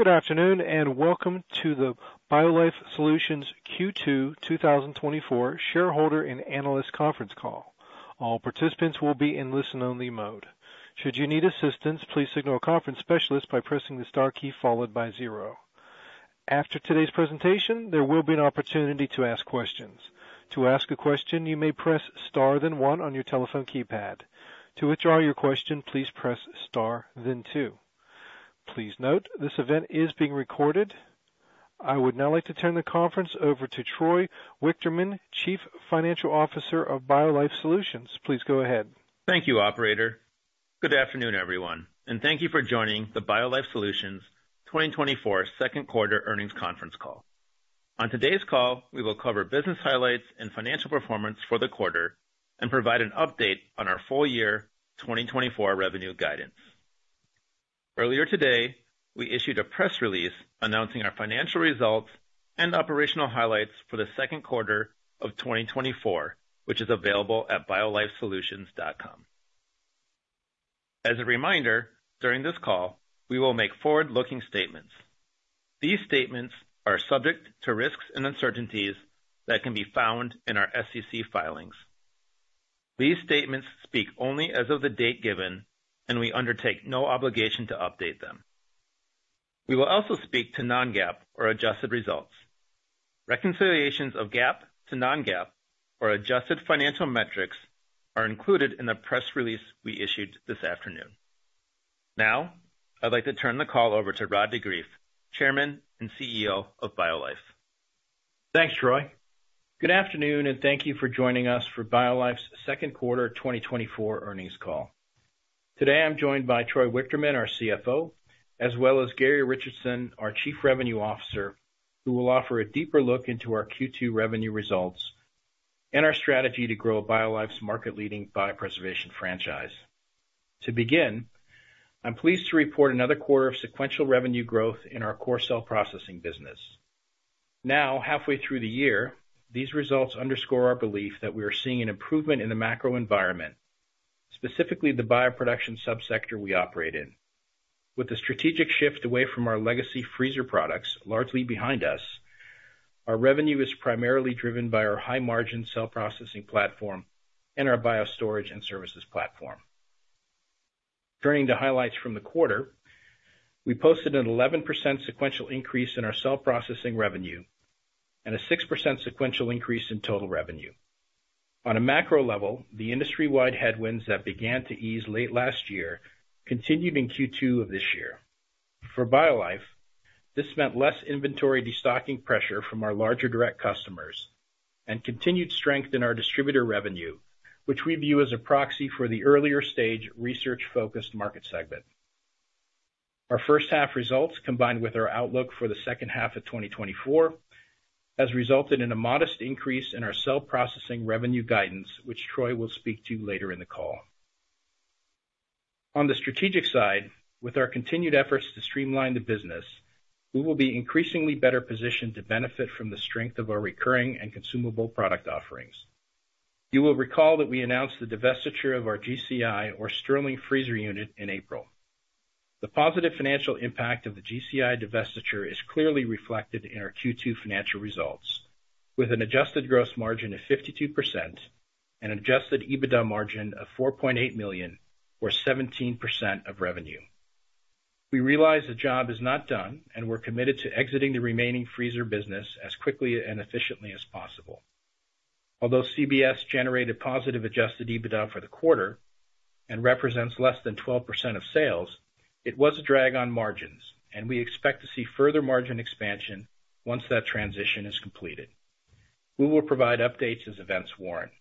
Good afternoon, and welcome to the BioLife Solutions Q2 2024 Shareholder and Analyst Conference Call. All participants will be in listen-only mode. Should you need assistance, please signal a conference specialist by pressing the star key followed by zero. After today's presentation, there will be an opportunity to ask questions. To ask a question, you may press Star then one on your telephone keypad. To withdraw your question, please press Star then two. Please note, this event is being recorded. I would now like to turn the conference over to Troy Wichterman, Chief Financial Officer of BioLife Solutions. Please go ahead. Thank you, operator. Good afternoon, everyone, and thank you for joining the BioLife Solutions 2024 second quarter earnings conference call. On today's call, we will cover business highlights and financial performance for the quarter and provide an update on our full year 2024 revenue guidance. Earlier today, we issued a press release announcing our financial results and operational highlights for the second quarter of 2024, which is available at biolifesolutions.com. As a reminder, during this call, we will make forward-looking statements. These statements are subject to risks and uncertainties that can be found in our SEC filings. These statements speak only as of the date given, and we undertake no obligation to update them. We will also speak to non-GAAP or adjusted results. Reconciliations of GAAP to non-GAAP or adjusted financial metrics are included in the press release we issued this afternoon. Now, I'd like to turn the call over to Rod de Greef, Chairman and CEO of BioLife. Thanks, Troy. Good afternoon, and thank you for joining us for BioLife's second quarter 2024 earnings call. Today, I'm joined by Troy Wichterman, our CFO, as well as Garrie Richardson, our Chief Revenue Officer, who will offer a deeper look into our Q2 revenue results and our strategy to grow BioLife's market-leading biopreservation franchise. To begin, I'm pleased to report another quarter of sequential revenue growth in our core cell processing business. Now, halfway through the year, these results underscore our belief that we are seeing an improvement in the macro environment, specifically the bioproduction subsector we operate in. With the strategic shift away from our legacy freezer products largely behind us, our revenue is primarily driven by our high-margin cell processing platform and our bio storage and services platform. Turning to highlights from the quarter, we posted an 11% sequential increase in our cell processing revenue and a 6% sequential increase in total revenue. On a macro level, the industry-wide headwinds that began to ease late last year continued in Q2 of this year. For BioLife, this meant less inventory destocking pressure from our larger direct customers and continued strength in our distributor revenue, which we view as a proxy for the earlier stage, research-focused market segment. Our first half results, combined with our outlook for the second half of 2024, has resulted in a modest increase in our cell processing revenue guidance, which Troy will speak to later in the call. On the strategic side, with our continued efforts to streamline the business, we will be increasingly better positioned to benefit from the strength of our recurring and consumable product offerings. You will recall that we announced the divestiture of our GCI or Stirling Freezer unit in April. The positive financial impact of the GCI divestiture is clearly reflected in our Q2 financial results, with an adjusted gross margin of 52% and adjusted EBITDA of $4.8 million, or 17% of revenue. We realize the job is not done, and we're committed to exiting the remaining freezer business as quickly and efficiently as possible. Although CBS generated positive adjusted EBITDA for the quarter and represents less than 12% of sales, it was a drag on margins, and we expect to see further margin expansion once that transition is completed. We will provide updates as events warrant.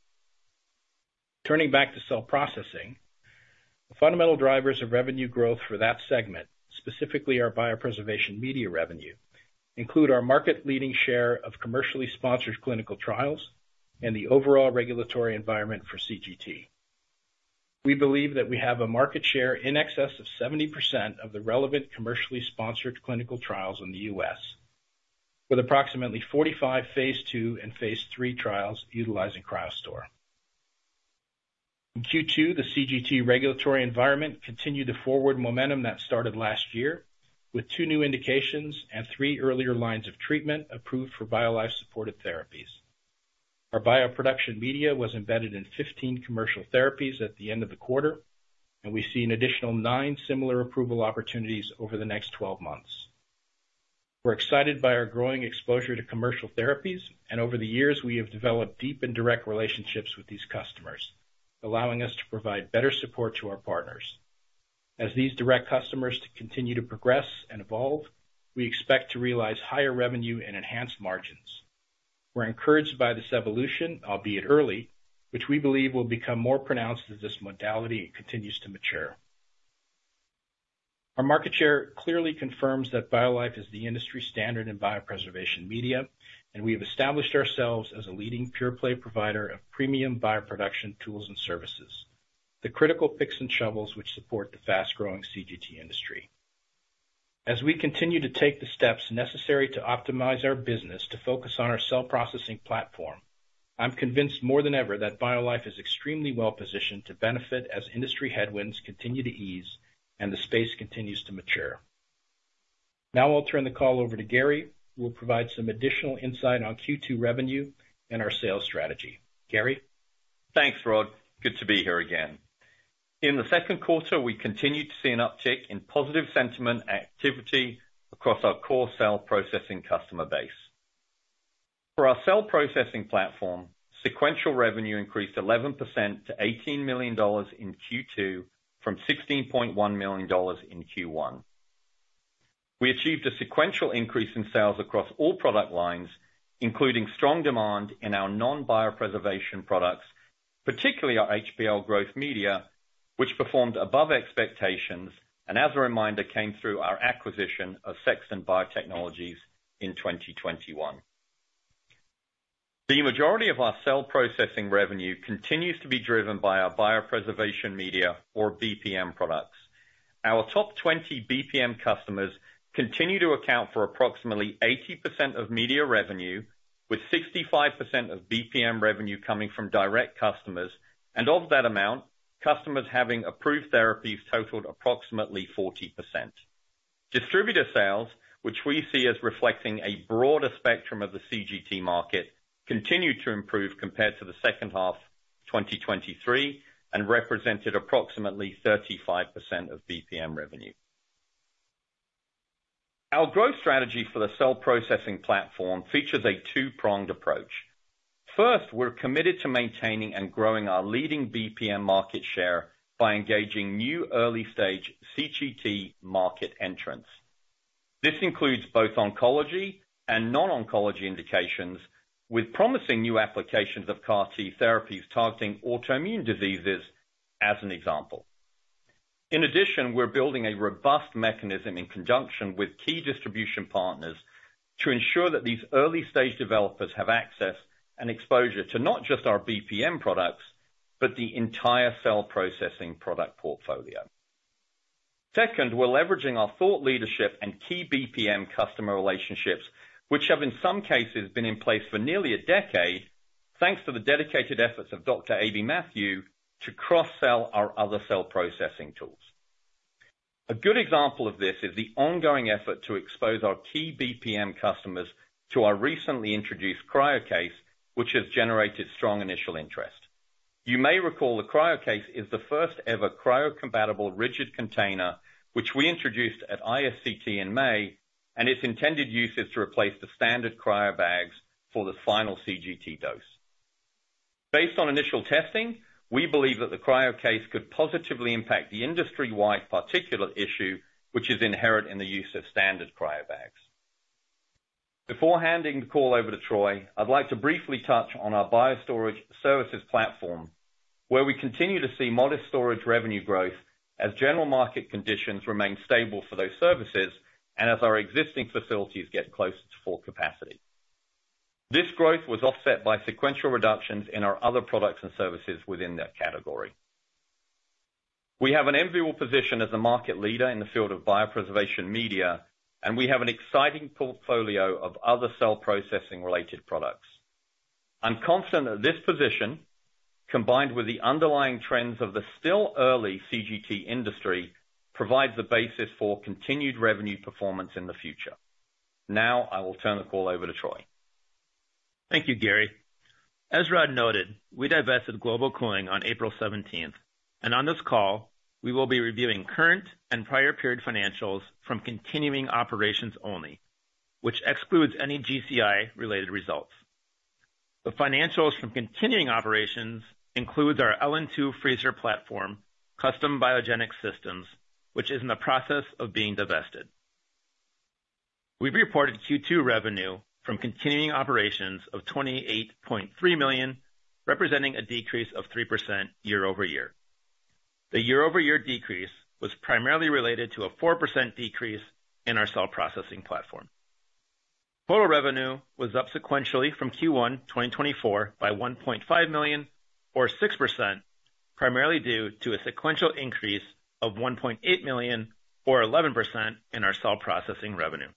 Turning back to cell processing, the fundamental drivers of revenue growth for that segment, specifically our biopreservation media revenue, include our market-leading share of commercially sponsored clinical trials and the overall regulatory environment for CGT. We believe that we have a market share in excess of 70% of the relevant commercially sponsored clinical trials in the U.S., with approximately 45 phase 2 and phase 3 trials utilizing CryoStor. In Q2, the CGT regulatory environment continued the forward momentum that started last year, with 2 new indications and 3 earlier lines of treatment approved for BioLife supported therapies. Our biopreservation media was embedded in 15 commercial therapies at the end of the quarter, and we see an additional 9 similar approval opportunities over the next 12 months. We're excited by our growing exposure to commercial therapies, and over the years, we have developed deep and direct relationships with these customers, allowing us to provide better support to our partners. As these direct customers continue to progress and evolve, we expect to realize higher revenue and enhanced margins. We're encouraged by this evolution, albeit early, which we believe will become more pronounced as this modality continues to mature. Our market share clearly confirms that BioLife is the industry standard in biopreservation media, and we have established ourselves as a leading pure play provider of premium bioproduction tools and services, the critical picks and shovels which support the fast-growing CGT industry. ...As we continue to take the steps necessary to optimize our business to focus on our cell processing platform, I'm convinced more than ever that BioLife is extremely well-positioned to benefit as industry headwinds continue to ease and the space continues to mature. Now I'll turn the call over to Garrie, who will provide some additional insight on Q2 revenue and our sales strategy. Garrie? Thanks, Rod. Good to be here again. In the second quarter, we continued to see an uptick in positive sentiment and activity across our core cell processing customer base. For our cell processing platform, sequential revenue increased 11% to $18 million in Q2, from $16.1 million in Q1. We achieved a sequential increase in sales across all product lines, including strong demand in our non-biopreservation products, particularly our HPL growth media, which performed above expectations, and as a reminder, came through our acquisition of Sexton Biotechnologies in 2021. The majority of our cell processing revenue continues to be driven by our biopreservation media or BPM products. Our top 20 BPM customers continue to account for approximately 80% of media revenue, with 65% of BPM revenue coming from direct customers, and of that amount, customers having approved therapies totaled approximately 40%. Distributor sales, which we see as reflecting a broader spectrum of the CGT market, continued to improve compared to the second half of 2023, and represented approximately 35% of BPM revenue. Our growth strategy for the cell processing platform features a two-pronged approach. First, we're committed to maintaining and growing our leading BPM market share by engaging new early-stage CGT market entrants. This includes both oncology and non-oncology indications, with promising new applications of CAR T therapies targeting autoimmune diseases, as an example. In addition, we're building a robust mechanism in conjunction with key distribution partners to ensure that these early-stage developers have access and exposure to not just our BPM products, but the entire cell processing product portfolio. Second, we're leveraging our thought leadership and key BPM customer relationships, which have, in some cases, been in place for nearly a decade, thanks to the dedicated efforts of Dr. Aby Mathew, to cross-sell our other cell processing tools. A good example of this is the ongoing effort to expose our key BPM customers to our recently introduced CryoCase, which has generated strong initial interest. You may recall the CryoCase is the first-ever cryo-compatible rigid container, which we introduced at ISCT in May, and its intended use is to replace the standard cryobags for the final CGT dose. Based on initial testing, we believe that the CryoCase could positively impact the industry-wide particulate issue, which is inherent in the use of standard cryobags. Before handing the call over to Troy, I'd like to briefly touch on our BioStorage services platform, where we continue to see modest storage revenue growth as general market conditions remain stable for those services and as our existing facilities get closer to full capacity. This growth was offset by sequential reductions in our other products and services within that category. We have an enviable position as a market leader in the field of biopreservation media, and we have an exciting portfolio of other cell processing-related products. I'm confident that this position, combined with the underlying trends of the still early CGT industry, provides the basis for continued revenue performance in the future. Now I will turn the call over to Troy. Thank you, Garrie. As Rod noted, we divested Global Cooling on April seventeenth, and on this call, we will be reviewing current and prior period financials from continuing operations only, which excludes any GCI-related results. The financials from continuing operations includes our LN2 freezer platform, Custom Biogenic Systems, which is in the process of being divested. We've reported Q2 revenue from continuing operations of $28.3 million, representing a decrease of 3% year-over-year. The year-over-year decrease was primarily related to a 4% decrease in our cell processing platform. Total revenue was up sequentially from Q1 2024 by $1.5 million, or 6%, primarily due to a sequential increase of $1.8 million, or 11%, in our cell processing revenue.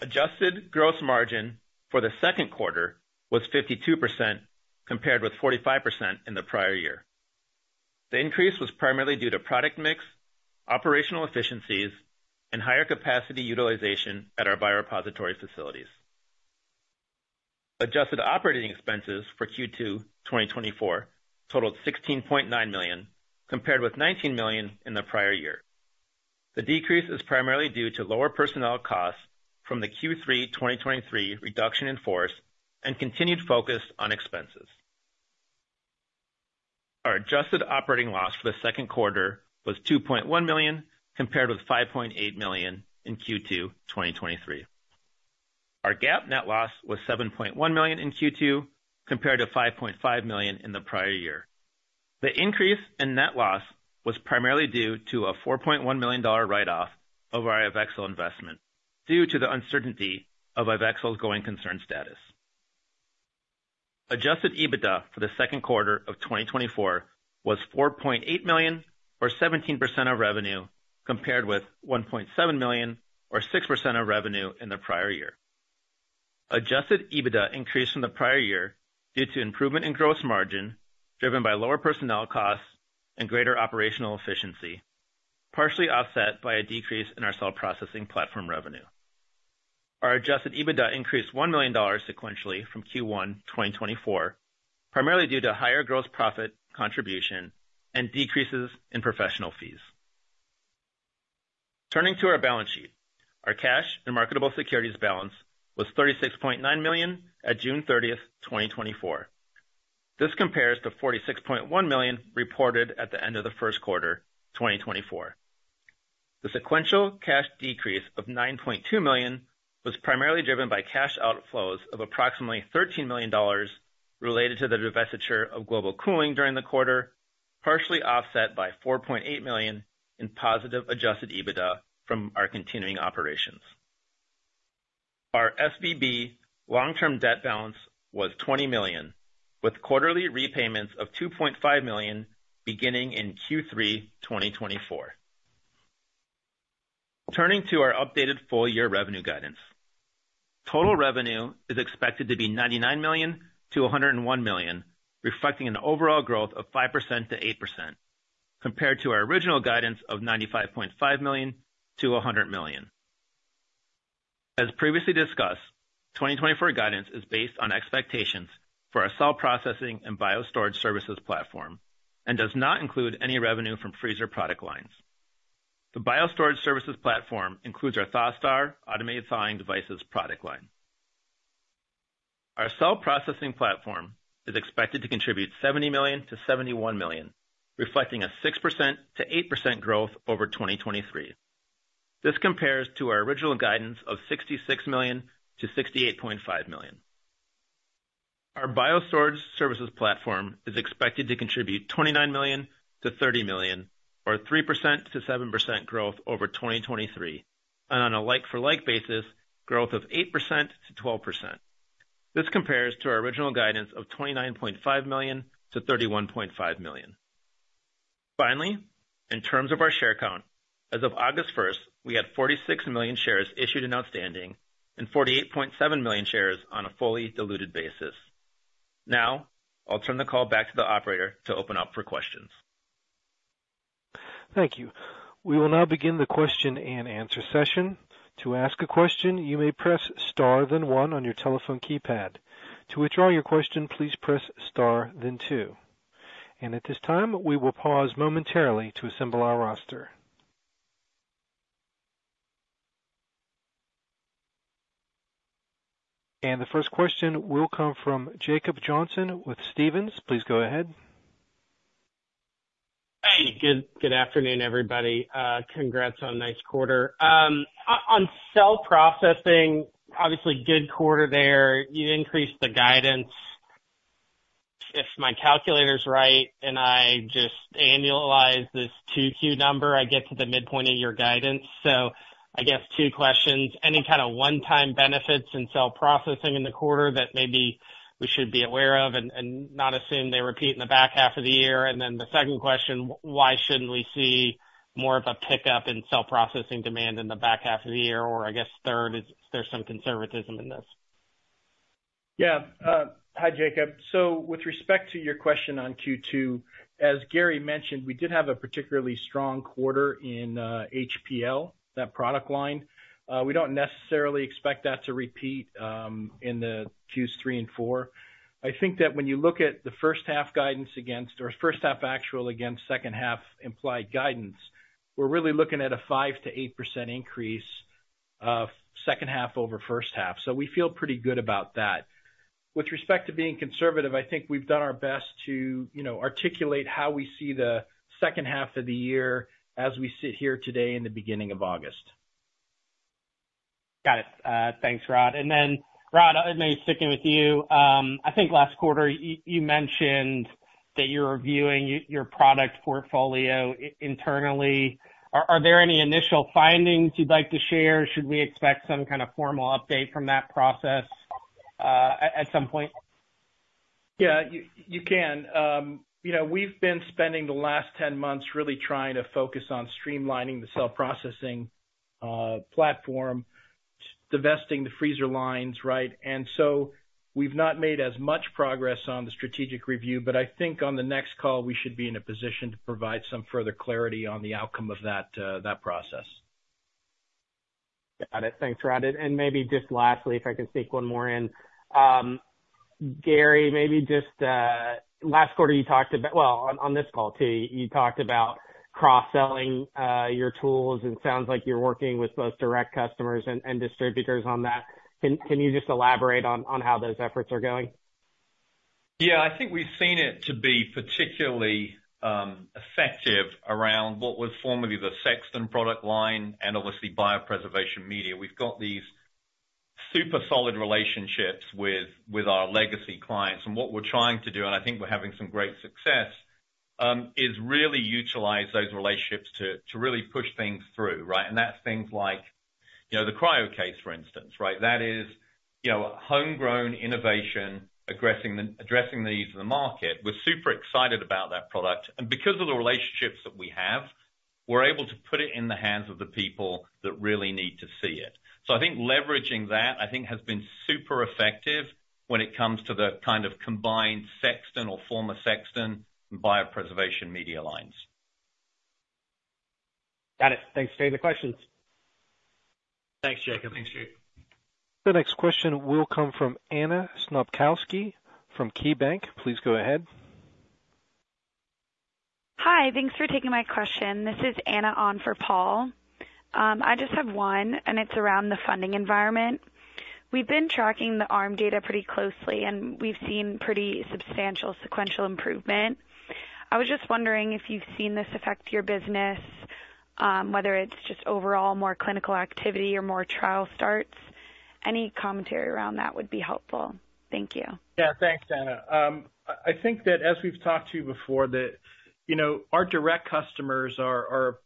Adjusted gross margin for the second quarter was 52%, compared with 45% in the prior year. The increase was primarily due to product mix, operational efficiencies, and higher capacity utilization at our biorepository facilities. Adjusted operating expenses for Q2 2024 totaled $16.9 million, compared with $19 million in the prior year. The decrease is primarily due to lower personnel costs from the Q3 2023 reduction in force and continued focus on expenses. Our adjusted operating loss for the second quarter was $2.1 million, compared with $5.8 million in Q2 2023. Our GAAP net loss was $7.1 million in Q2, compared to $5.5 million in the prior year. The increase in net loss was primarily due to a $4.1 million write-off of our iVexSol investment, due to the uncertainty of iVexSol's going concern status. Adjusted EBITDA for the second quarter of 2024 was $4.8 million, or 17% of revenue, compared with $1.7 million, or 6% of revenue in the prior year. Adjusted EBITDA increased from the prior year due to improvement in gross margin, driven by lower personnel costs and greater operational efficiency, partially offset by a decrease in our cell processing platform revenue. Our adjusted EBITDA increased $1 million sequentially from Q1 2024, primarily due to higher gross profit contribution and decreases in professional fees. Turning to our balance sheet. Our cash and marketable securities balance was $36.9 million at June 30, 2024. This compares to $46.1 million reported at the end of the first quarter, 2024. The sequential cash decrease of $9.2 million was primarily driven by cash outflows of approximately $13 million related to the divestiture of Global Cooling during the quarter, partially offset by $4.8 million in positive Adjusted EBITDA from our continuing operations. Our SVB long-term debt balance was $20 million, with quarterly repayments of $2.5 million beginning in Q3 2024. Turning to our updated full-year revenue guidance. Total revenue is expected to be $99 million-$101 million, reflecting an overall growth of 5%-8%, compared to our original guidance of $95.5 million-$100 million. As previously discussed, 2024 guidance is based on expectations for our cell processing and Biostorage services platform and does not include any revenue from freezer product lines. The Biostorage services platform includes our ThawSTAR automated thawing devices product line. Our cell processing platform is expected to contribute $70 million-$71 million, reflecting a 6%-8% growth over 2023. This compares to our original guidance of $66 million-$68.5 million. Our Biostorage services platform is expected to contribute $29 million-$30 million, or 3%-7% growth over 2023, and on a like-for-like basis, growth of 8%-12%. This compares to our original guidance of $29.5 million-$31.5 million. Finally, in terms of our share count, as of August 1, we had 46 million shares issued and outstanding, and 48.7 million shares on a fully diluted basis. Now, I'll turn the call back to the operator to open up for questions. Thank you. We will now begin the question-and-answer session. To ask a question, you may press star, then one on your telephone keypad. To withdraw your question, please press star, then two. At this time, we will pause momentarily to assemble our roster. The first question will come from Jacob Johnson with Stephens. Please go ahead. Hey, good, good afternoon, everybody. Congrats on a nice quarter. On cell processing, obviously, good quarter there. You increased the guidance. If my calculator's right, and I just annualize this two Q number, I get to the midpoint of your guidance. So I guess two questions: Any kind of one-time benefits in cell processing in the quarter that maybe we should be aware of and, and not assume they repeat in the back half of the year? And then the second question, why shouldn't we see more of a pickup in cell processing demand in the back half of the year? Or I guess third, is there some conservatism in this? Yeah. Hi, Jacob. So with respect to your question on Q2, as Garrie mentioned, we did have a particularly strong quarter in HPL, that product line. We don't necessarily expect that to repeat in the Q3 and Q4. I think that when you look at the first half guidance against or first half actual against second half implied guidance, we're really looking at a 5%-8% increase of second half over first half. So we feel pretty good about that. With respect to being conservative, I think we've done our best to, you know, articulate how we see the second half of the year as we sit here today in the beginning of August. Got it. Thanks, Rod. And then, Rod, maybe sticking with you, I think last quarter, you mentioned that you're reviewing your product portfolio internally. Are there any initial findings you'd like to share? Should we expect some kind of formal update from that process, at some point? Yeah, you can. You know, we've been spending the last 10 months really trying to focus on streamlining the cell processing platform, divesting the freezer lines, right? And so we've not made as much progress on the strategic review, but I think on the next call, we should be in a position to provide some further clarity on the outcome of that, that process. Got it. Thanks, Rod. Maybe just lastly, if I can sneak one more in. Garrie, maybe just, last quarter, you talked about—well, on this call, too, you talked about cross-selling your tools, and it sounds like you're working with both direct customers and distributors on that. Can you just elaborate on how those efforts are going? Yeah, I think we've seen it to be particularly, effective around what was formerly the Sexton product line and obviously, biopreservation media. We've got these super solid relationships with, with our legacy clients, and what we're trying to do, and I think we're having some great success, is really utilize those relationships to, to really push things through, right? And that's things like, you know, the CryoCase, for instance, right? That is, you know, homegrown innovation, addressing the needs of the market. We're super excited about that product, and because of the relationships that we have, we're able to put it in the hands of the people that really need to see it. So I think leveraging that, I think, has been super effective when it comes to the kind of combined Sexton or former Sexton biopreservation media lines. Got it. Thanks for taking the questions. Thanks, Jacob. Thanks, Jacob. The next question will come from Anna Snopkowski from KeyBanc. Please go ahead. Hi, thanks for taking my question. This is Anna on for Paul. I just have one, and it's around the funding environment. We've been tracking the ARM data pretty closely, and we've seen pretty substantial sequential improvement. I was just wondering if you've seen this affect your business, whether it's just overall more clinical activity or more trial starts. Any commentary around that would be helpful. Thank you. Yeah, thanks, Anna. I think that as we've talked to you before, that you know, our direct customers are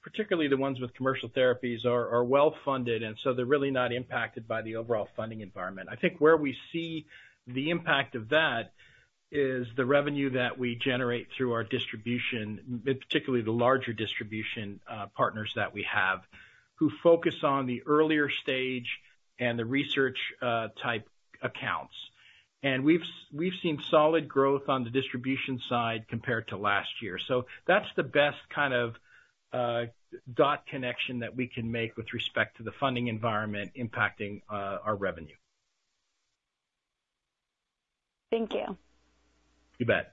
particularly the ones with commercial therapies, are well-funded, and so they're really not impacted by the overall funding environment. I think where we see the impact of that is the revenue that we generate through our distribution, particularly the larger distribution partners that we have, who focus on the earlier stage and the research type accounts. We've seen solid growth on the distribution side compared to last year. That's the best kind of dot connection that we can make with respect to the funding environment impacting our revenue. Thank you. You bet.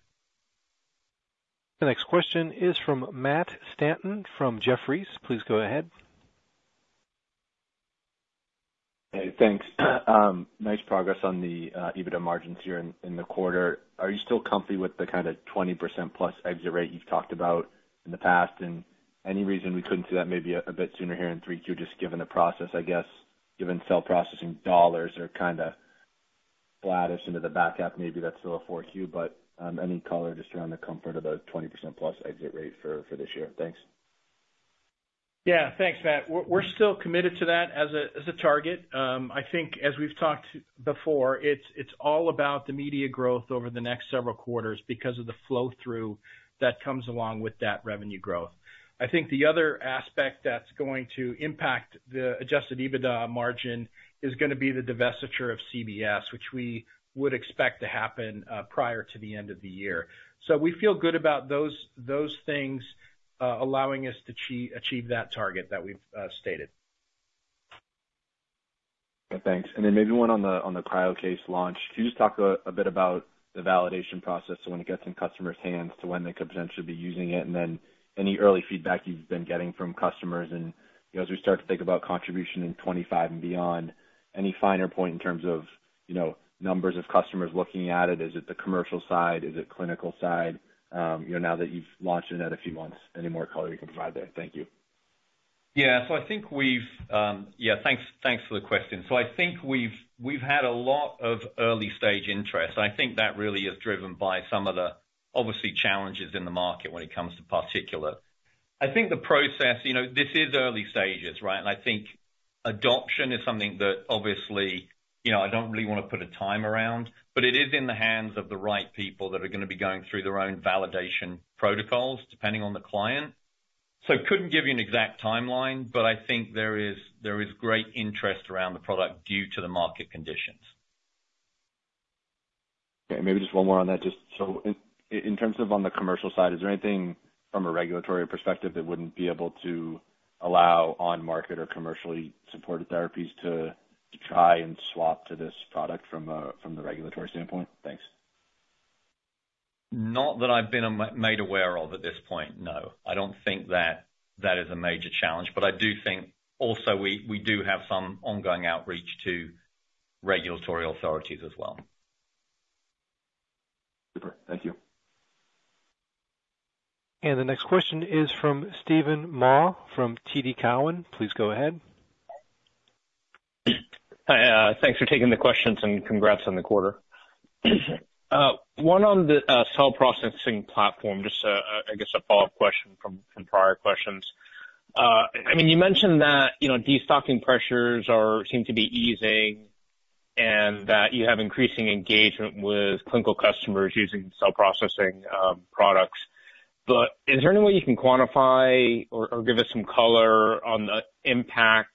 The next question is from Matt Stanton, from Jefferies. Please go ahead. Hey, thanks. Nice progress on the EBITDA margins here in the quarter. Are you still comfy with the kind of 20%+ exit rate you've talked about in the past? And any reason we couldn't see that maybe a bit sooner here in Q3, just given the process, I guess, given cell processing dollars are kinda flattish into the back half, maybe that's still a Q4, but any color just around the comfort of the 20%+ exit rate for this year? Thanks. Yeah, thanks, Matt. We're still committed to that as a target. I think, as we've talked before, it's all about the media growth over the next several quarters because of the flow-through that comes along with that revenue growth. I think the other aspect that's going to impact the Adjusted EBITDA margin is gonna be the divestiture of CBS, which we would expect to happen prior to the end of the year. So we feel good about those things allowing us to achieve that target that we've stated. Thanks. And then maybe one on the CryoCase launch. Can you just talk a bit about the validation process when it gets in customers' hands to when they could potentially be using it, and then any early feedback you've been getting from customers? And, you know, as we start to think about contribution in 2025 and beyond, any finer point in terms of, you know, numbers of customers looking at it? Is it the commercial side? Is it clinical side? You know, now that you've launched it in a few months, any more color you can provide there? Thank you. Yeah, so I think we've... yeah, thanks, thanks for the question. So I think we've had a lot of early-stage interest, and I think that really is driven by some of the, obviously, challenges in the market when it comes to particulates. I think the process, you know, this is early stages, right? And I think adoption is something that obviously, you know, I don't really want to put a time around, but it is in the hands of the right people that are gonna be going through their own validation protocols, depending on the client. So couldn't give you an exact timeline, but I think there is great interest around the product due to the market conditions. Okay, maybe just one more on that. Just so in terms of on the commercial side, is there anything from a regulatory perspective that wouldn't be able to allow on-market or commercially supported therapies to try and swap to this product from the regulatory standpoint? Thanks. Not that I've been made aware of at this point, no. I don't think that that is a major challenge, but I do think also we, we do have some ongoing outreach to regulatory authorities as well. Super. Thank you. The next question is from Steven Mah, from TD Cowen. Please go ahead. Hi, thanks for taking the questions, and congrats on the quarter. One on the cell processing platform, just a follow-up question from prior questions. I mean, you mentioned that, you know, destocking pressures seem to be easing, and that you have increasing engagement with clinical customers using cell processing products. But is there any way you can quantify or give us some color on the impact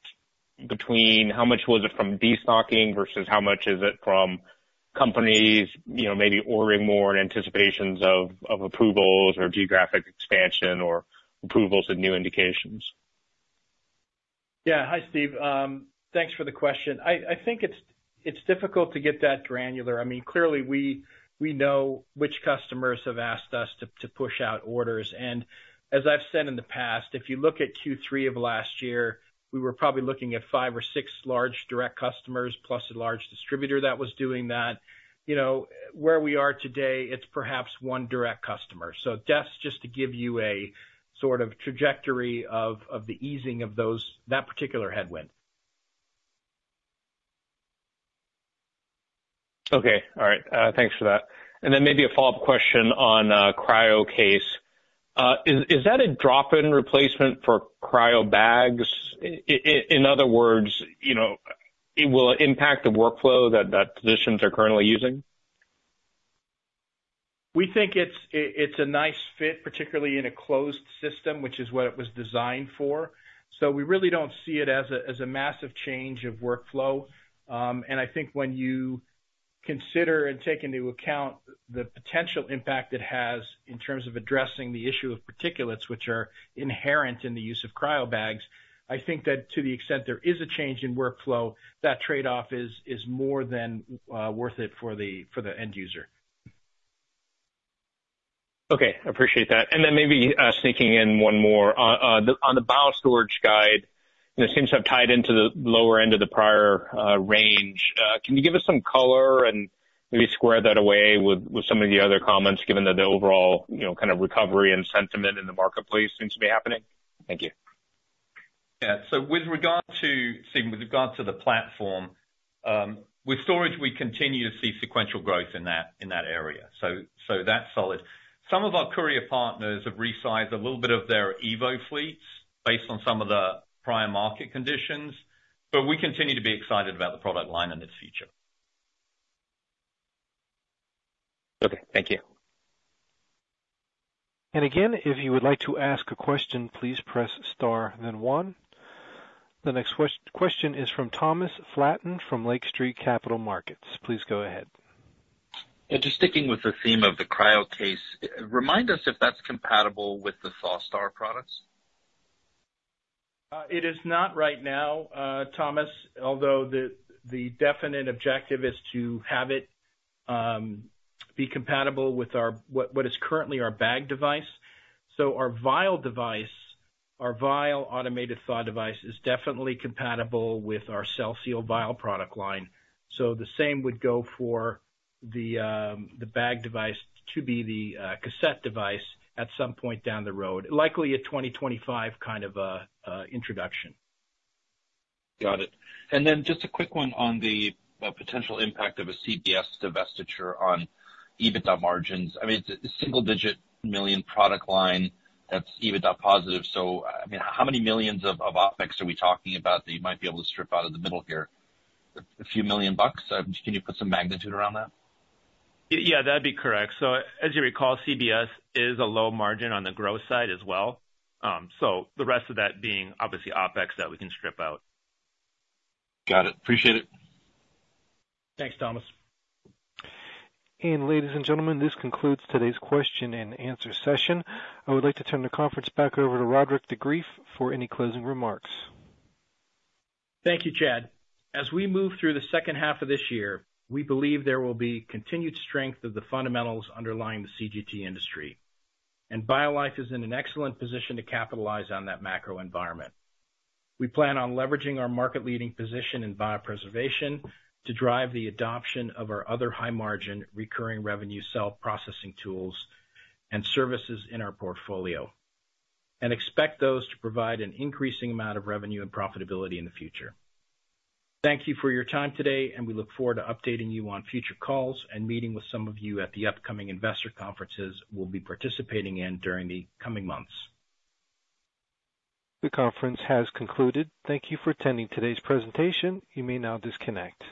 between how much was it from destocking versus how much is it from companies, you know, maybe ordering more in anticipations of approvals or geographic expansion, or approvals and new indications? Yeah. Hi, Steve. Thanks for the question. I think it's difficult to get that granular. I mean, clearly, we know which customers have asked us to push out orders. And as I've said in the past, if you look at Q3 of last year, we were probably looking at five or six large direct customers, plus a large distributor that was doing that. You know, where we are today, it's perhaps one direct customer. So that's just to give you a sort of trajectory of the easing of those that particular headwind.... Okay. All right, thanks for that. And then maybe a follow-up question on CryoCase. Is that a drop-in replacement for cryo bags? In other words, you know, it will impact the workflow that physicians are currently using? We think it's a nice fit, particularly in a closed system, which is what it was designed for. So we really don't see it as a massive change of workflow. And I think when you consider and take into account the potential impact it has in terms of addressing the issue of particulates, which are inherent in the use of cryo bags, I think that to the extent there is a change in workflow, that trade-off is more than worth it for the end user. Okay, appreciate that. And then maybe, sneaking in one more. On, on the Biostorage guide, it seems to have tied into the lower end of the prior, range. Can you give us some color and maybe square that away with, with some of the other comments, given that the overall, you know, kind of recovery and sentiment in the marketplace seems to be happening? Thank you. Yeah. So with regard to, Steve, with regard to the platform, with storage, we continue to see sequential growth in that, in that area. So, so that's solid. Some of our courier partners have resized a little bit of their Evo fleets based on some of the prior market conditions, but we continue to be excited about the product line and its future. Okay, thank you. And again, if you would like to ask a question, please press star then one. The next question is from Thomas Flaten from Lake Street Capital Markets. Please go ahead. Just sticking with the theme of the CryoCase, remind us if that's compatible with the ThawSTAR products? It is not right now, Thomas, although the definite objective is to have it be compatible with our bag device. So our vial device, our vial automated thaw device, is definitely compatible with our CellSeal vial product line. So the same would go for the bag device to be the cassette device at some point down the road, likely a 2025 kind of introduction. Got it. And then just a quick one on the potential impact of a CBS divestiture on EBITDA margins. I mean, it's a single-digit million product line that's EBITDA positive, so, I mean, how many millions of OpEx are we talking about that you might be able to strip out of the middle here? A few million bucks? Can you put some magnitude around that? Yeah, that'd be correct. So as you recall, CBS is a low margin on the growth side as well. So the rest of that being obviously OpEx that we can strip out. Got it. Appreciate it. Thanks, Thomas. Ladies and gentlemen, this concludes today's question and answer session. I would like to turn the conference back over to Roderick de Greef for any closing remarks. Thank you, Chad. As we move through the second half of this year, we believe there will be continued strength of the fundamentals underlying the CGT industry, and BioLife is in an excellent position to capitalize on that macro environment. We plan on leveraging our market leading position in biopreservation to drive the adoption of our other high margin, recurring revenue cell processing tools and services in our portfolio, and expect those to provide an increasing amount of revenue and profitability in the future. Thank you for your time today, and we look forward to updating you on future calls and meeting with some of you at the upcoming investor conferences we'll be participating in during the coming months. The conference has concluded. Thank you for attending today's presentation. You may now disconnect.